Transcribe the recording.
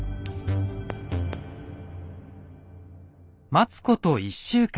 待つこと１週間。